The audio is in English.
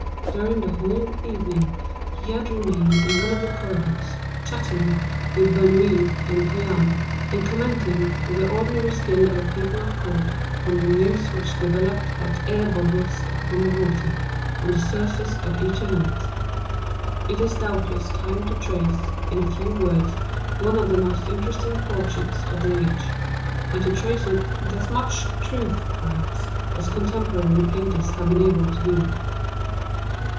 During the whole evening he had remained in one of the corridors, chatting with Bernouin and Brienne, and commenting, with the ordinary skill of people of court, upon the news which developed like air bubbles upon the water, on the surface of each event. It is doubtless time to trace, in a few words, one of the most interesting portraits of the age, and to trace it with as much truth, perhaps, as contemporary painters have been able to do.